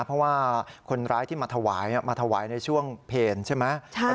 เพราะว่าคนร้ายที่มาถวายมาถวายในช่วงเพลใช่ไหม